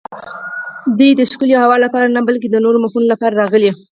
دوی د ښکلې هوا لپاره نه بلکې د نورو موخو لپاره راغلي.